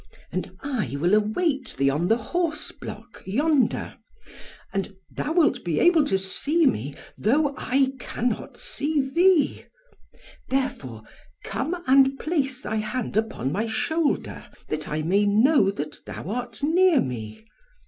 And I will await thee on the horseblock yonder; and thou wilt be able to see me, though I cannot see thee; therefore come and place thy hand upon my shoulder, that I may know that thou art near me.